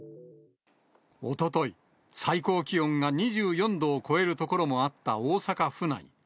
おととい、最高気温が２４度を超える所もあった大阪府内。